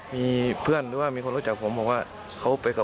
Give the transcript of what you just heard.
ก็เลยตามไปที่บ้านไม่พบตัวแล้วค่ะ